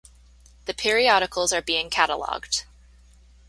The periodicals are being cataloged.